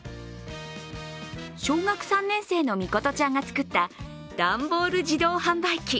小学３年生の美琴ちゃんが作った段ボール自動販売機。